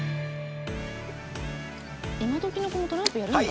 今どきの子もトランプやるんだ。